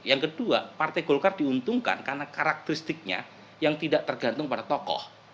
yang kedua partai golkar diuntungkan karena karakteristiknya yang tidak tergantung pada tokoh